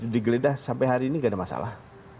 di geledah sampai hari ini tidak ada masalah